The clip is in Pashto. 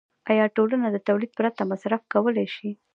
آیا ټولنه له تولید پرته مصرف کولی شي